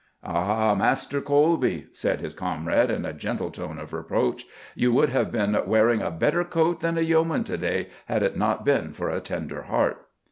"'Ah, Master Coleby,' said his comrade, in a gentle tone of reproach, 'you would have been wearing a better coat than a yeoman's to day had it not been for a tender heart.